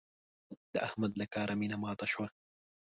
د احمد له کاره مينه ماته شوه.